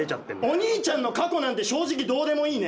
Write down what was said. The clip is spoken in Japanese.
お兄ちゃんの過去なんて正直どうでもいいね。